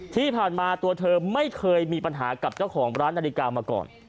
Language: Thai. ที่ผ่านมาตัวเธอไม่เคยมีปัญหากับเจ้าของร้านนาฬิกามาก่อน